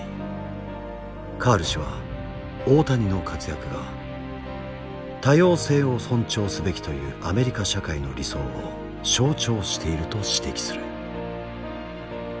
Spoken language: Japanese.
カール氏は大谷の活躍が多様性を尊重すべきというアメリカ社会の理想を象徴していると指摘する。